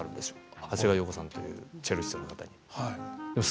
長谷川陽子さんというチェリストです。